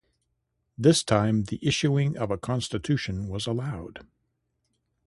This time the issuing of a constitution was allowed.